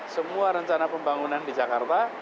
semua rencana pembangunan di jakarta